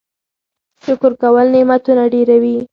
شکر کول نعمتونه ډېروي.